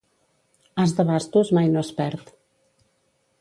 As de bastos mai no es perd.